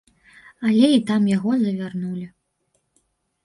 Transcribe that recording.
Але і там яго завярнулі.